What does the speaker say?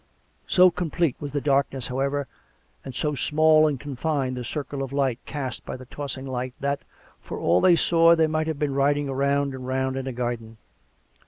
So complete was the darkness, however, and so small and con fined the circle of light cast by the tossing light, that, for all they saw, they might have been riding round and round in a garden.